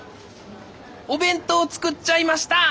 お弁当作っちゃいました。